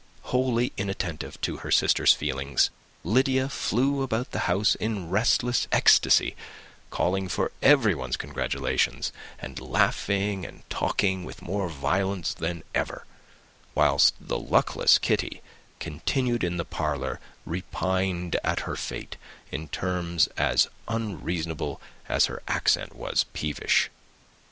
Wholly inattentive to her sister's feelings, Lydia flew about the house in restless ecstasy, calling for everyone's congratulations, and laughing and talking with more violence than ever; whilst the luckless Kitty continued in the parlour repining at her fate in terms as unreasonable as her accent was peevish.